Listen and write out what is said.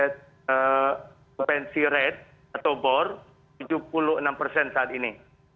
tes cupancy rate atau bor tujuh puluh enam persen saat ini